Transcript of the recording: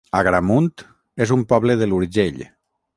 Agramunt es un poble de l'Urgell